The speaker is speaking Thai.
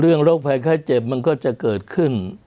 โรคภัยไข้เจ็บมันก็จะเกิดขึ้น